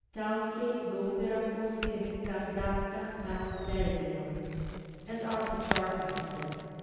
"Tal che l' opera fosse ritardata dal desio," as our Petrarca has said.